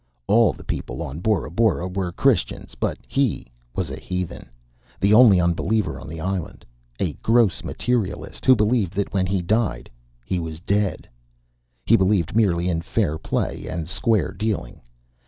All the people on Bora Bora were Christians; but he was a heathen, the only unbeliever on the island, a gross materialist, who believed that when he died he was dead. He believed merely in fair play and square dealing.